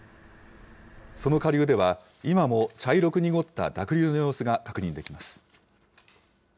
その下流では今も茶色く濁った濁流の様子が確認できます。